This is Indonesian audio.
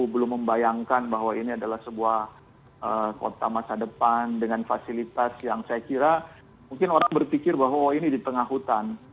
belum membayangkan bahwa ini adalah sebuah kota masa depan dengan fasilitas yang saya kira mungkin orang berpikir bahwa oh ini di tengah hutan